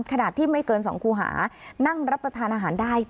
ขนาดที่ไม่เกิน๒คูหานั่งรับประทานอาหารได้